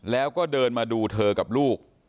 แล้วก็เดินมาดูเธอกับลูก